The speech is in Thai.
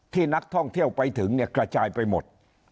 ที่นักท่องเที่ยวไปถึงเนี่ยกระจายไปหมด